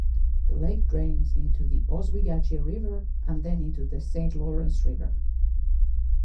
The lake drains into the Oswegatchie River and then into the Saint Lawrence River.